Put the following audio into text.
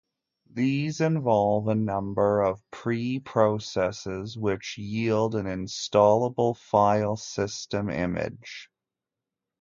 These involve a number of pre processes which yield an installable file system image.